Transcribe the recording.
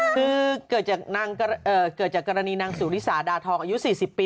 คือเกิดจากกรณีนางสุริสาดาทองอายุ๔๐ปี